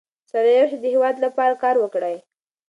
سره یو شئ او د هېواد لپاره کار وکړئ.